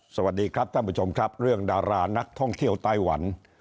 สวัสดีครับท่านผู้ชมครับเรื่องดารานักท่องเที่ยวไต้หวัน